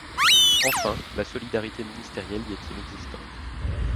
Enfin, la solidarité ministérielle y est inexistante.